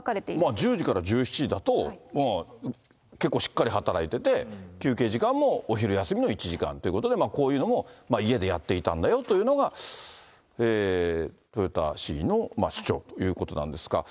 １０時から１７時だと、結構しっかり働いてて、休憩時間もお昼休みの１時間ということで、こういうのも家でやっていたんだよというのが豊田市議の主張ということなんですか。